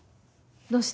どうして？